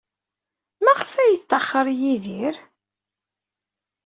Maɣef ay yettaxer Yidir?